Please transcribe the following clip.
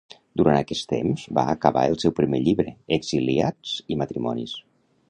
Durant aquest temps, va acabar el seu primer llibre, "Exiliats i matrimonis".